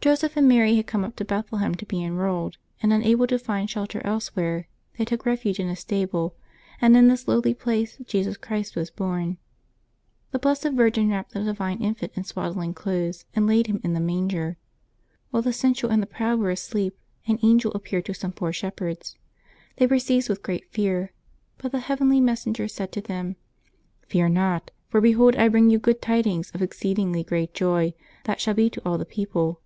Joseph and Mary had come up to Bethlehem to be enrolled, and, unable to find shelter elsewhere, they took refuge in a stable, and in this lowly place Jesus Christ was born. The Blessed Virgin wrapped the divine Infant in swaddling clothes, and laid Him in the manger. While the sensual and the proud were asleep, an angel appeared to some poor shepherds. They were seized with great fear, but the heavenly mes senger said to them :" Fear not : for behold I bring you good tidings of exceeding great joy, that shall be to all the people.